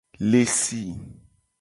Le si.